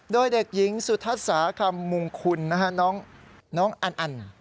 ด้วยเด็กหญิงสุทธาสาคมงคุณน้องอัน